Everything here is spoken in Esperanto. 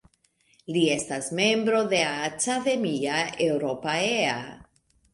Li estas membro de Academia Europaea.